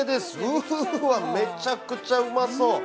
うわぁ、めちゃくちゃうまそう。